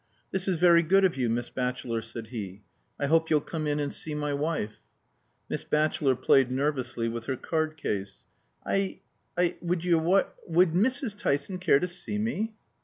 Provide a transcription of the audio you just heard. "This is very good of you, Miss Batchelor," said he. "I hope you'll come in and see my wife." Miss Batchelor played nervously with her card case. "I I Would your wi would Mrs. Tyson care to see me?"